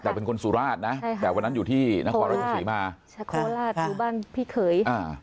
แต่เป็นคนสุราสนะใช่ค่ะแต่วันนั้นอยู่ที่โคลาสโคลาสอยู่บ้านพี่เขย